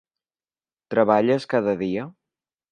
Treballes cada dia?